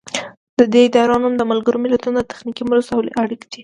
د دې ادارې نوم د ملګرو ملتونو د تخنیکي مرستو او اړیکو اداره و.